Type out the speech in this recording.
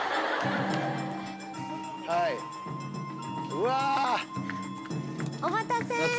うわ！お待たせ！